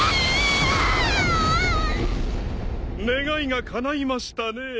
願いがかないましたね。